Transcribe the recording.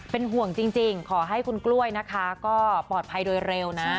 เป็นห่วงจริงขอให้คุณกล้วยนะคะก็ปลอดภัยโดยเร็วนะ